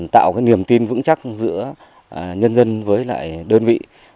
tạo cái niềm tin vững chắc giữa nhân dân với lại đơn vị